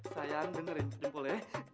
sayang dengerin jempol ya